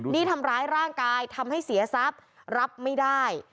นี่ทำร้ายร่างกายทำให้เสียทรัพย์รับไม่ได้